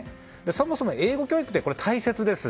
そもそも英語教育って大切です。